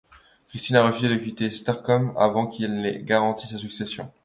Christine a refusé de quitter Stockholm avant qu'elle n'ait garanti sa succession.